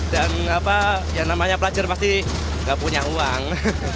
dan yang namanya pelajar pasti tidak punya uang